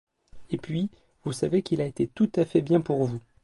Et puis, vous savez qu'il a été tout à fait bien pour vous.